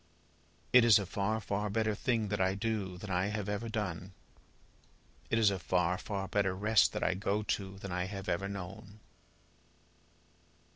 "It is a far, far better thing that I do, than I have ever done; it is a far, far better rest that I go to than I have ever known."